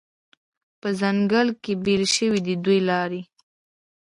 په ځنګله کې بیلې شوې دي دوې لارې